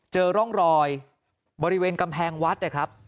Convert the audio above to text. เจอร่องรอยบริเวณกำแพงวัดนะครับ